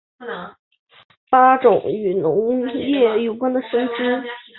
八蜡是古代中国人民所祭祀八种与农业有关的神只。